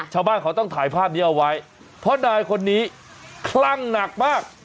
ชาวบ้านเขาต้องถ่ายภาพนี้เอาไว้เพราะนายคนนี้คลั่งหนักมาก